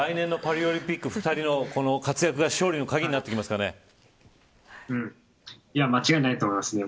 来年のパリオリンピック２人の活躍が間違いないと思いますね。